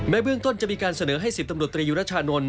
เบื้องต้นจะมีการเสนอให้๑๐ตำรวจตรียุรชานนท์